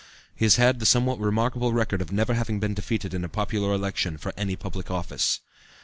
He has had the somewhat remarkable record of never having been defeated in a popular election for any public office.